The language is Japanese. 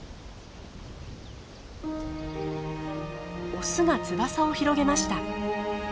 オスが翼を広げました。